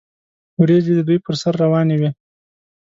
وریځې د دوی پر سر روانې وې.